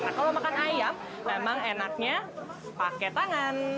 nah kalau makan ayam memang enaknya pakai tangan